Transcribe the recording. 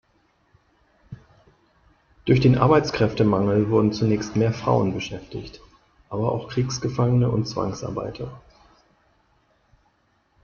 Durch den Arbeitskräftemangel wurden zunächst mehr Frauen beschäftigt, aber auch Kriegsgefangene und Zwangsarbeiter.